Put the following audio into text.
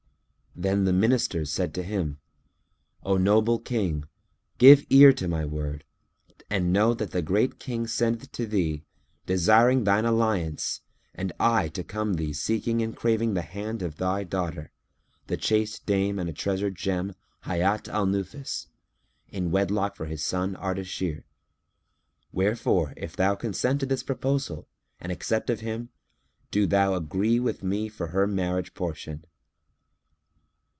Then said the Minister to him, "O noble King, give ear to my word and know that the Great King sendeth to thee, desiring thine alliance, and I come to thee seeking and craving the hand of thy daughter, the chaste dame and treasured gem Hayat al Nufus, in wedlock for his son Ardashir, wherefore, if thou consent to this proposal and accept of him, do thou agree with me for her marriage portion."